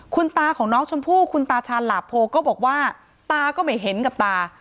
คุณตาของน้องชมพู่คุณตาชาญหลาโพก็บอกว่าตาก็ไม่เห็นกับตา